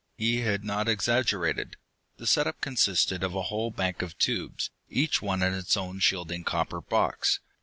He had not exaggerated. The set up consisted of a whole bank of tubes, each one in its own shielding copper box.